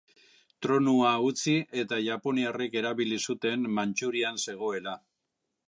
Tronua utzi eta japoniarrek erabili zuten Mantxurian zegoela.